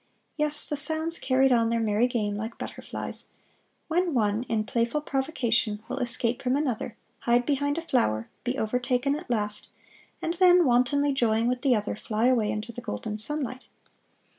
Yes, the sounds carried on their merry game like butterflies, when one, in playful provocation, will escape from another, hide behind a flower, be overtaken at last, and then, wantonly joying with the other, fly away into the golden sunlight.